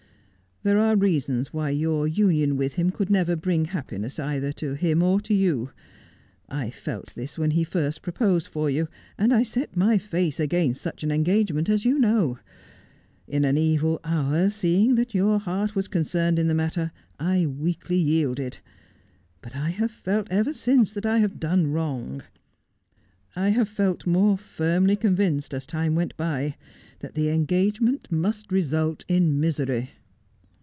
'There are reasons why your union with him could never bring happiness either to him or to you I felt this when he first proposed for you, and I set my face against such an engage ment, as you know. In an evil hour, seeing that your heart was concerned in the matter, I weakly yielded But I have felt ever since that I have done wrong. I have felt more firmly convinced as time went by that the engagement must result in misery.'